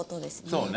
そうね。